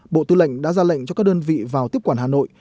bộ tư lệnh đã ra lệnh cho các đơn vị vào tiếp quản hà nội